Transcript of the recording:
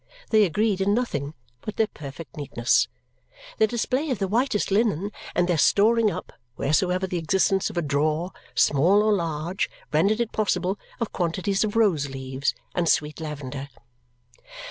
They agreed in nothing but their perfect neatness, their display of the whitest linen, and their storing up, wheresoever the existence of a drawer, small or large, rendered it possible, of quantities of rose leaves and sweet lavender.